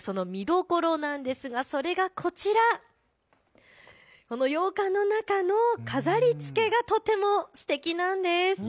その見どころなんですがこちら、洋館の中の飾りつけがとてもすてきなんです。